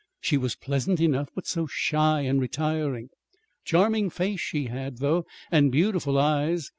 She was pleasant enough but so shy and retiring! Charming face she had, though, and beautiful eyes.